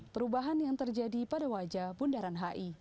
perubahan yang terjadi pada wajah bundaran hi